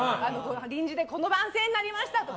臨時でこの番線になりましたとか。